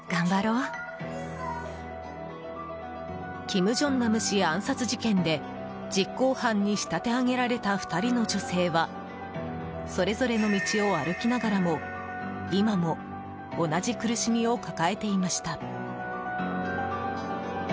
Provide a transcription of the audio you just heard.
金正男氏暗殺事件で実行犯に仕立て上げられた２人の女性はそれぞれの道を歩きながらも今も同じ苦しみを抱えていました。